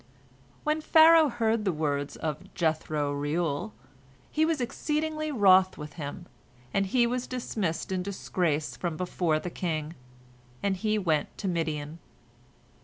When Pharaoh heard the words of Jethro Reuel, he was exceedingly wroth with him, and he was dismissed in disgrace from before the king, and he went to Midian.